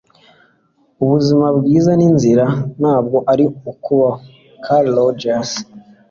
ubuzima bwiza ni inzira, ntabwo ari ukubaho. - carl rogers